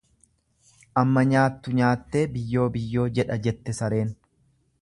Amma nyaattu nyaattee biyyoo biyyoo jedha jette sareen.